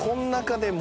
でも。